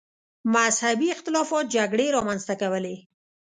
مذهبي اختلافات جګړې رامنځته کولې.